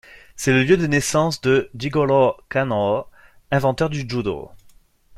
C'est le lieu de naissance de Jigorō Kanō, inventeur du Judo.